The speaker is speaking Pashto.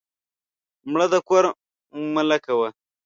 مړه د کور ملکه وه